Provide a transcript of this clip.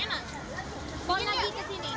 mau lagi kesini